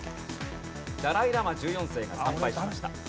ダライ・ラマ１４世が参拝しました。